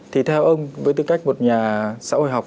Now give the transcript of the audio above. thì theo ông với tư cách một nhà xã hội học